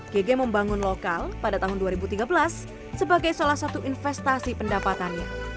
gg membangun lokal pada tahun dua ribu tiga belas sebagai salah satu investasi pendapatannya